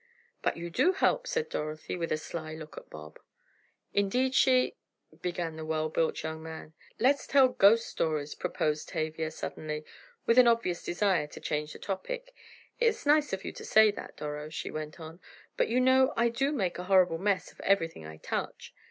"But you do help," said Dorothy, with a sly look at Bob. "Indeed she——" began that well built young man. "Let's tell ghost stories!" proposed Tavia suddenly, with an obvious desire to change the topic. "It's nice of you to say that, Doro," she went on, "but you know I do make a horrible mess of everything I touch.